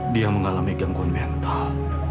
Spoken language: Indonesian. dia mengalami gangguan mental